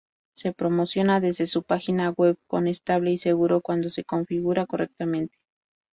Se promociona desde su página web como estable y seguro, cuando se configura correctamente.